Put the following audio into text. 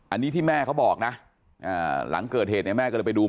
อันนี้ที่แม่เขาบอกนะหลังเกิดเหตุเนี่ยแม่ก็เลยไปดู